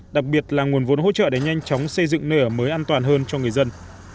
đặc biệt là nguồn vốn hỗ trợ để nhanh chóng xây dựng nơi ở mới an toàn hơn cho người dân